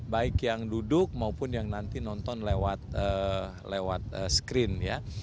baik yang duduk maupun yang nanti nonton lewat screen ya